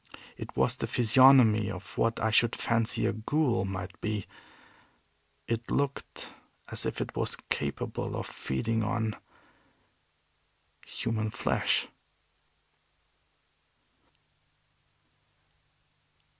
It was the physiognomy of what I should fancy a ghoul might be. It looked as if it was capable of feeding on human flesh.